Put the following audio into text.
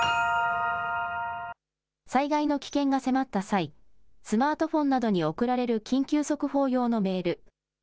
災害の危険が迫った際、スマートフォンなどに送られる緊急速報用のメール。